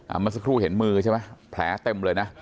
เมื่อสักครู่เห็นมือใช่ไหมแผลเต็มเลยนะ